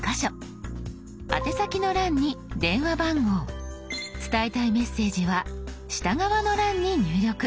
宛先の欄に電話番号伝えたいメッセージは下側の欄に入力。